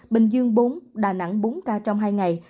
bình dương bốn đà nẵng bốn ca trong hai ngày